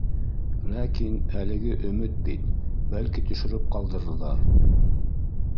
Ләкин әлеге өмөт бит, бәлки, төшөрөп ҡалдырырҙар